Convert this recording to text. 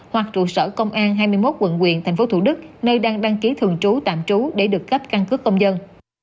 hoặc trụ sở công an hai mươi một quận quyền tp thủ đức nơi đang đăng ký thường trú tạm trú để được cấp căn cứ công dân